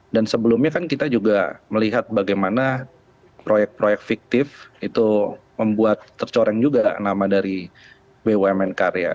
dan sebelumnya kan kita juga melihat bagaimana proyek proyek fiktif itu membuat tercoreng juga nama dari bumn karya